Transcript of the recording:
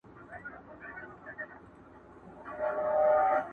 منصوري کریږه یم له داره وځم،